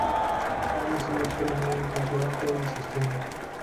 Aun así mucho de le mira incompleto o insostenible.